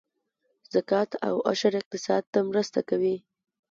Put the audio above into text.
زکات او عشر اقتصاد ته مرسته کوي